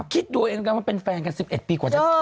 คิดดูเองแล้วมันเป็นแฟนกัน๑๑ปีกว่าจะ